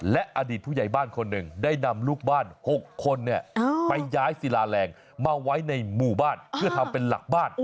และอดีตผู้ใหญ่บ้านคนหนึ่งได้นำลูกบ้าน๖คนไปย้ายศิลาแรงมาไว้ในหมู่บ้านเพื่อทำเป็นหลักบ้าน